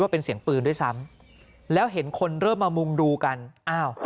เป็นเสียงปืนด้วยซ้ำแล้วเห็นคนเริ่มมามุงดูกันอ้าว